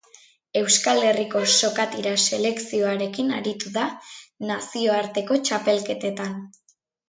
Euskal Herriko sokatira selekzioarekin aritu da nazioarteko txapelketetan.